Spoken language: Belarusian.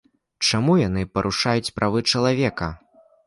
Чаму яны парушаюць правы чалавека?